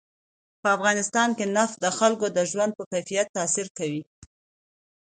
په افغانستان کې نفت د خلکو د ژوند په کیفیت تاثیر کوي.